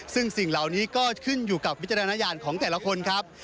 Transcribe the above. ซึ่งสิ่งเหล่านี้ก็ขึ้นอยู่กับวิจารณญาณของแต่ละคนครับ